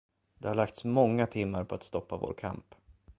Det har lagts många timmar på att stoppa vår kamp.